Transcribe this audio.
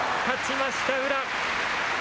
勝ちました、宇良。